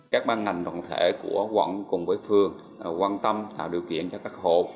các ban ngành đoàn thể của quận cùng với phương quan tâm tạo điều kiện cho các hồ